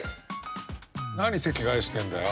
何席替えしてんだよ。